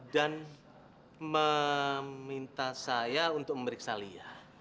dan meminta saya untuk memeriksa lia